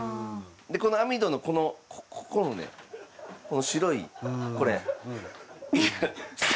この網戸のここのねこの白いこれ。